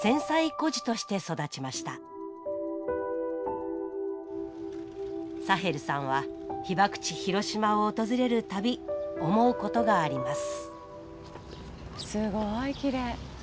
孤児として育ちましたサヘルさんは被爆地広島を訪れる度思うことがあります